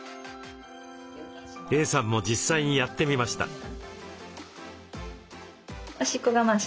Ａさんも実際にやってみました。